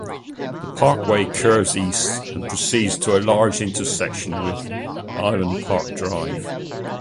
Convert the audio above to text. The Parkway curves east and proceeds to a large intersection with Island Park Drive.